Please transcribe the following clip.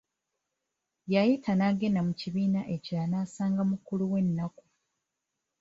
Yayita n'agenda mu kibiina ekirala n'asanga mukuluwe Nnakku.